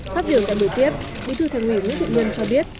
phát biểu tại buổi tiếp bí thư thành ủy nguyễn thiện nhân cho biết